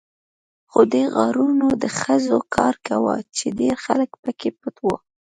خو دې غارونو د خزو کار کاوه، چې ډېر خلک پکې پټ وو.